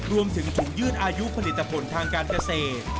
รวมถึงถุงยืดอายุผลิตผลทางการเกษตร